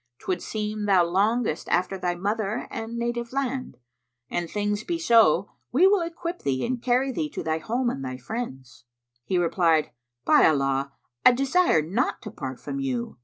'Twould seem thou longest after thy mother and native land. An things be so, we will equip thee and carry thee to thy home and thy friends." He replied, "By Allah, I desire not to part from you!"